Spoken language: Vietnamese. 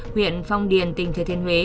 huyện phong điền tỉnh thừa thiên huế